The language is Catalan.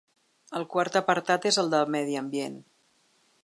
El quart apartat és el de medi ambient.